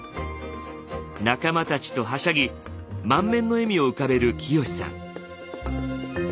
仲間たちとはしゃぎ満面の笑みを浮かべる清守さん。